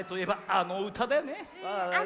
あのうただね。